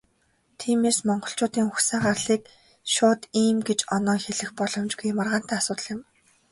Тиймээс, монголчуудын угсаа гарлыг шууд "ийм" гээд оноон хэлэх боломжгүй, маргаантай асуудал юм.